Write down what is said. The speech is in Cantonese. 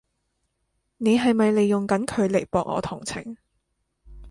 你係咪利用緊佢嚟博我同情？